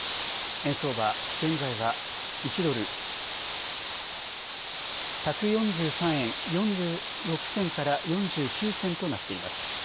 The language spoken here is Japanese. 円相場、現在は１ドル１４３円４６銭から４９銭となっています。